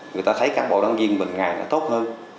người ta thấy cán bộ đảng viên của mình ngày tốt hơn